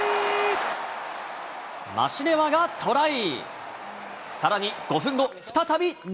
マシレワがトライ。